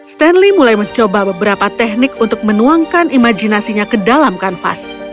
stanley mulai mencoba beberapa teknik untuk menuangkan imajinasinya ke dalam kanvas